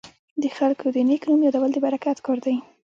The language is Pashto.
د خلکو د نیک نوم یادول د برکت کار دی.